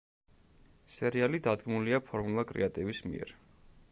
სერიალი დადგმულია ფორმულა კრეატივის მიერ.